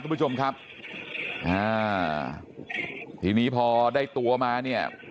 คุณผู้ชมครับอ่าทีนี้พอได้ตัวมาเนี่ย